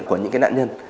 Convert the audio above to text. của những cái nạn nhân